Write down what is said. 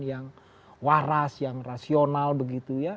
yang waras yang rasional begitu ya